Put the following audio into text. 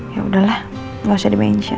ya udahlah gak usah di mention